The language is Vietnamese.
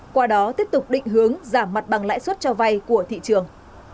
qua đó tiếp tục định hướng giảm mặt bằng lãi suất cho vay của thị trường